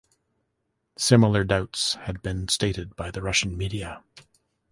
Similar doubts had been stated by the Russian media.